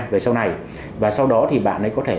về sau này và sau đó thì bạn ấy có thể